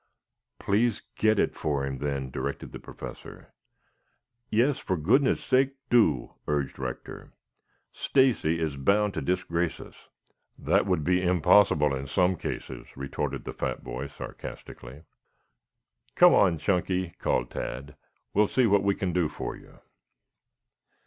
"Please get it for him, then," directed the Professor. "Yes, for goodness' sake do," urged Rector. "Stacy is bound to disgrace us." "That would be impossible in some cases," retorted the fat boy sarcastically. "Come on, Chunky," called Tad. "We will see what we can do for you."